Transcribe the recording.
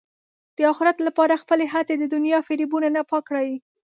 د اخرت لپاره خپلې هڅې د دنیا فریبونو نه پاک کړئ.